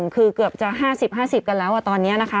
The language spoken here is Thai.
คือเกือบจะ๕๐๕๐กันแล้วตอนนี้นะคะ